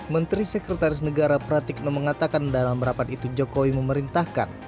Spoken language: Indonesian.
menteri sekretaris negara pratikno mengatakan dalam rapat itu jokowi memerintahkan